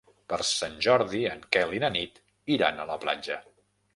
Per Sant Jordi en Quel i na Nit iran a la platja.